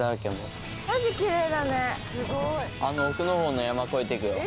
あの奥のほうの山越えて行くよ。